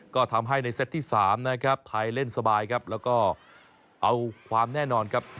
ก็ทำให้ในเซตที่๓นะครับไทยเล่นสบายครับแล้วก็เอาความแน่นอนครับ